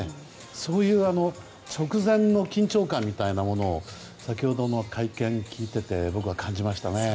そういう直前の緊張感みたいなものを先ほどの会見を聞いてて僕は感じましたね。